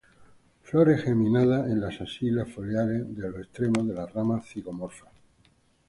Flores geminadas, en las axilas foliares de los extremos de las ramas, zigomorfas.